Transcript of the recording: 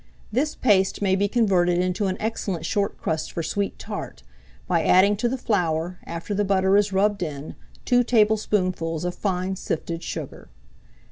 This paste may be converted into an excellent short crust for sweet tart, by adding to the flour, after the butter is rubbed in, 2 tablespoonfuls of fine sifted sugar.